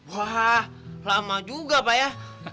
wah lama juga pak ya